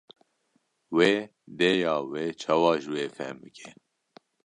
wê dêya we çawa ji we fehm bike